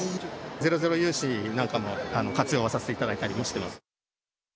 ゼロゼロ融資なんかも活用させていただいたりもしています。